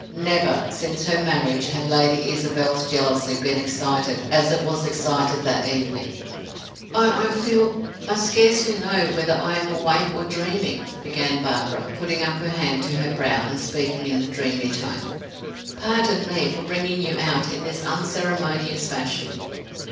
Never, since her marriage, had Lady Isabel's jealousy been excited as it was excited that evening. "I I feel I scarcely know whether I am awake or dreaming," began Barbara, putting up her hand to her brow and speaking in a dreamy tone. "Pardon me for bringing you out in this unceremonious fashion."